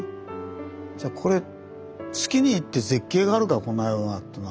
じゃこれ月に行って絶景があるかこんなようなっていうのは。